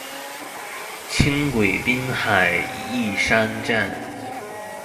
輕軌濱海義山站